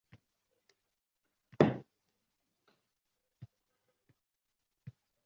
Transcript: Endi yigirma metr masofada turib soʻradi